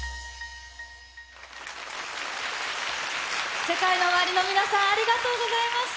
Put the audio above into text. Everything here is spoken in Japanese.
ＳＥＫＡＩＮＯＯＷＡＲＩの皆さん、ありがとうございました。